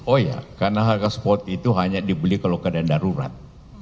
oh iya karena harga spot itu hanya dibeli kalau keadaan darurat